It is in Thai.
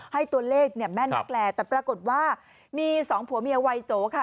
ให้ตัวเลขเนี่ยแม่นนักแลแต่ปรากฏว่ามีสองผัวเมียวัยโจค่ะ